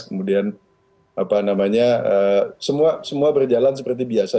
kemudian apa namanya semua berjalan seperti biasa